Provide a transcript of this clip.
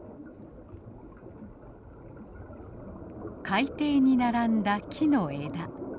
海底に並んだ木の枝。